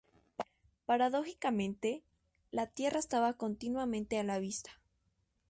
Paradójicamente, la tierra estaba continuamente a la vista.